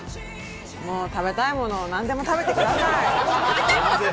もう食べたいものを何でも食べてください。